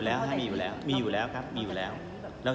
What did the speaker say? จะนำเข้ามาดูแลในเรื่องนี้หรือเปล่า